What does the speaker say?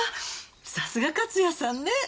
さすが勝谷さんね。